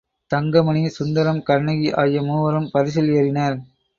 தங்கமணி, சுந்தரம், கண்ணகி ஆகிய மூவரும் பரிசில் ஏறினர்.